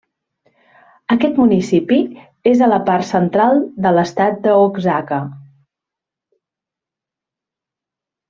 Aquest municipi és a la part central de l'estat d'Oaxaca.